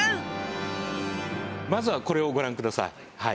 まずはこれをご覧ください。